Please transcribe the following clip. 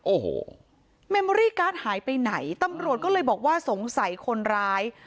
โอ้โหเมมอรี่การ์ดหายไปไหนตำรวจก็เลยบอกว่าสงสัยคนร้าย